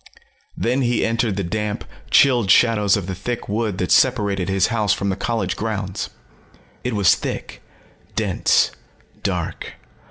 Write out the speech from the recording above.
Then he entered the damp, chilled shadows of the thick wood that separated his house from the college grounds. It was thick, dense, dark.